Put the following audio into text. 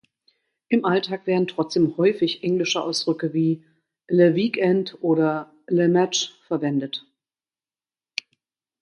Im Alltag werden trotzdem häufig englische Ausdrücke wie "le weekend" oder "le match" verwendet.